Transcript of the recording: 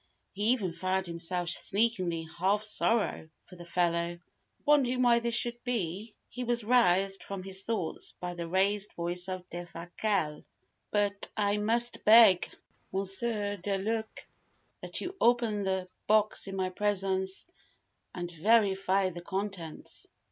He even found himself sneakingly half sorry for the fellow. Wondering why this should be, he was roused from his thoughts by the raised voice of Defasquelle. "But I must beg, Monsieur le Duc, that you open the box in my presence and verify the contents!"